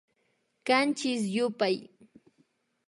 Kanchis yupay